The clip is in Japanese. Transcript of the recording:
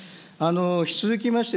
引き続きまして、